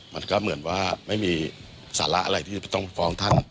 มันก็เหมือนว่าไม่มีสาระอะไรที่จะต้องฟ้องท่าน